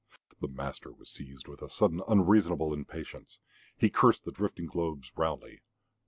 The master was seized with a sudden unreasonable impatience. He cursed the drifting globes roundly.